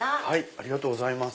ありがとうございます。